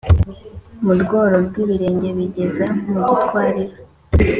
mu bworo bw’ibirenge bigeza mu gitwariro